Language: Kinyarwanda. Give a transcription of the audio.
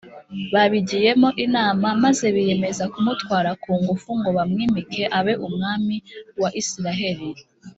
babigiyemo inama, maze biyemeza kumutwara ku ngufu ngo bamwimike abe umwami wa isiraheri